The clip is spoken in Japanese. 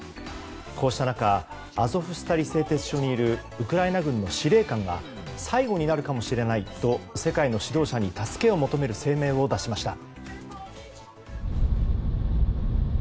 こうした中アゾフスタリ製鉄所にいるウクライナ軍の司令官が最後になるかもしれないと世界の指導者に助けを求める声明を出しました。